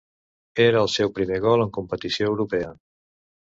Era el seu primer gol en competició europea.